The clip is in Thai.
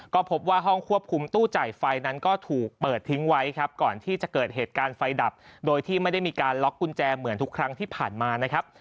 ก็พบว่าห้องควบคุมตู้จ่ายไฟนั้นก็ถูกเปิดทิ้งไว้ครับก่อนที่จะเกิดเหตุการณ์ไฟดับโดยที่ไม่ได้มีการล็อกกุญแจเหมือนทุกครั้งที่ผ่านมานะครับ